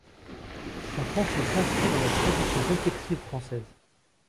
Sa pensée s'inscrit dans la tradition réflexive française.